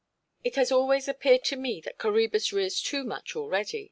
It has always appeared to me that Coræbus rears too much already.